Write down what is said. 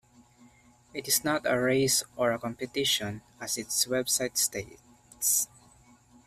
It is not a race or a competition as its website states.